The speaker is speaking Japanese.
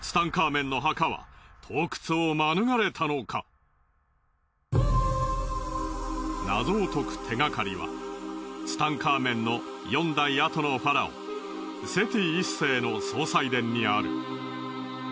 ではいったい謎を解く手がかりはツタンカーメンの４代あとのファラオセティ１世の葬祭殿にある。